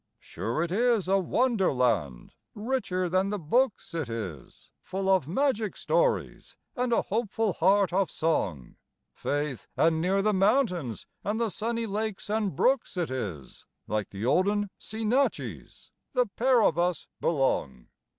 Sure it is a wonder land, richer than the books it is, Full of magic stories and a hopeful heart of song; Faith, and near the mountains and the sunny lakes and brooks it is, Like the olden seanichies, the pair of us belong.